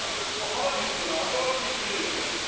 花火っていうのは新しい種類が出るの？